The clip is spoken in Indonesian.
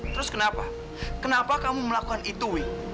terus kenapa kenapa kamu melakukan itu